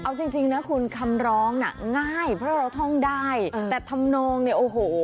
เอาจริงจริงนะคุณคำร้องน่ะง่ายเพราะเราท่องได้แต่ทำนองเนี่ยโอ้โห